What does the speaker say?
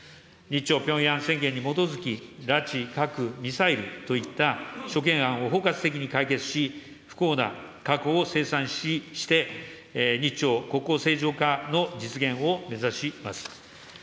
日朝ピョンヤン宣言に基づき、拉致、核、ミサイルといった諸懸案を包括的に解決し、不幸な過去を清算して、日朝国交正常化の実現を目指します。